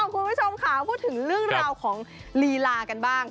คุณผู้ชมค่ะพูดถึงเรื่องราวของลีลากันบ้าง